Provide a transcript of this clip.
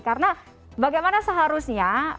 karena bagaimana seharusnya